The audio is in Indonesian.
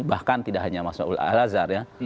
bahkan tidak hanya mahasiswa al azhar